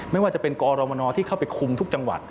ไม่ว่าจะเป็นกรมนที่เข้าไปคุมทุกจังหวัด